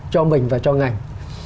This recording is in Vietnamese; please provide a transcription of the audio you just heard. cho mình và cho ngành